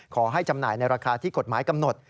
จำหน่ายในราคาที่กฎหมายกำหนด